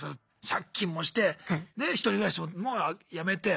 借金もして１人暮らしもやめて。